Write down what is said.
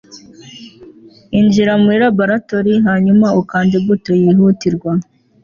injira muri laboratoire hanyuma ukande buto yihutirwa